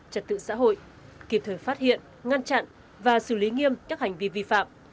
trật tự xã hội kịp thời phát hiện ngăn chặn và xử lý nghiêm các hành vi vi phạm